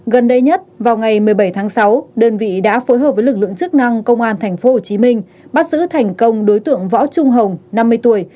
gần đây nhất vào ngày một mươi bảy tháng sáu đơn vị đã phối hợp với lực lượng chức năng công an tp hcm bắt giữ thành công đối tượng võ trung hồng năm mươi tuổi